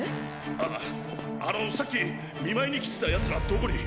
ああのさっき見舞いに来てた奴らはどこに？